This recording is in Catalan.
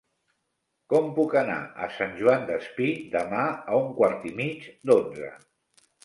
Com puc anar a Sant Joan Despí demà a un quart i mig d'onze?